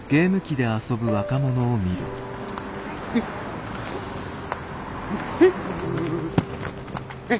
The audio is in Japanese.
えっ？えっ？えっ？